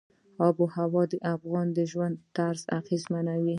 آب وهوا د افغانانو د ژوند طرز اغېزمنوي.